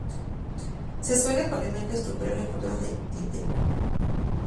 Se suele colocar como elemento estructural en forma de dintel.